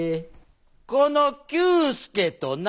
この久助とな。